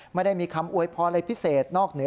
ไม่ได้มีคำอวยพออะไรพิเศษ